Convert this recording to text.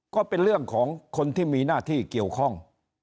ก็เป็นเรื่องของคนที่มีหน้าที่เกี่ยวข้อง